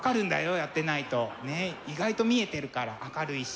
やってないと意外と見えてるから明るいし。